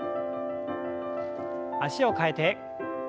脚を替えて。